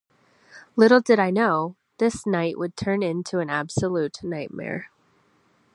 Little did I know, this night would turn into an absolute nightmare.